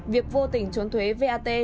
việc vô tình trốn thuế vat